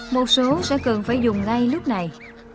một số sẽ cần phải dùng ngay lúc này